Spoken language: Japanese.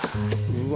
うわ。